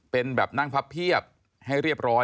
เป็นแบบนั่งพับเพียบให้เรียบร้อย